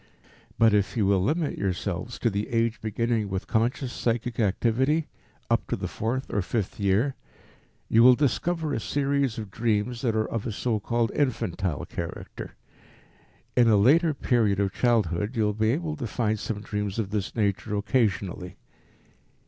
But if you will limit yourselves to the age beginning with conscious psychic activity, up to the fourth or fifth year, you will discover a series of dreams that are of a so called infantile character. In a later period of childhood you will be able to find some dreams of this nature occasionally.